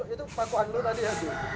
itu paku angdo tadi ya